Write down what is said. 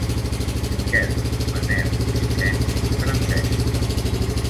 Miquel, Manel, Vicenç i Francesc.